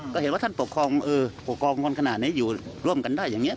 ก็เห็นว่าท่านปกครองปกครองกันขนาดนี้อยู่ร่วมกันได้อย่างนี้